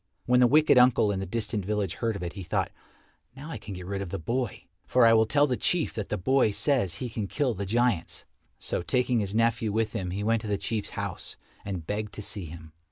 When the wicked uncle in the distant village heard of it, he thought, "Now I can get rid of the boy, for I will tell the Chief that the boy says he can kill the giants." So taking his nephew with him he went to the Chief's house and begged to see him.